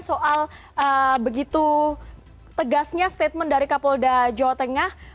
soal begitu tegasnya statement dari kapolda jawa tengah